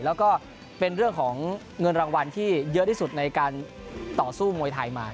แล้วก็เป็นเรื่องของเงินรางวัลที่เยอะที่สุดในการต่อสู้มวยไทยมา